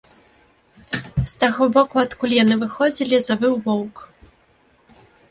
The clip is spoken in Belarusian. З таго боку, адкуль яны выходзілі, завыў воўк.